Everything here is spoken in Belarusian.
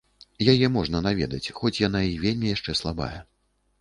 Яе можна наведаць, хоць яна й вельмі яшчэ слабая.